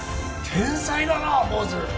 天才だな坊主